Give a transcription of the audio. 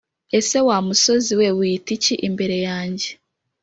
Ese wamusozi we wiyita iki imbere yanjye